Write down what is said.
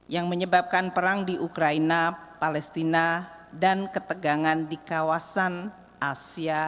yang menyebabkan perang di ukraina palestina dan ketegangan di kawasan asia